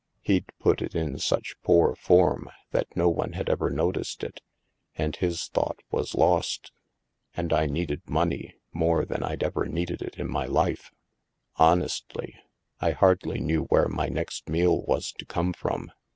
He'd put it in such poor form that no one had ever noticed it, and his thought was lost. — And I needed money more than I'd ever needed it in my life; honestly, I hardly knew where my next meal was to come from.